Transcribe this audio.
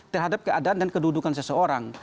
terhadap keadaan dan kedudukan seseorang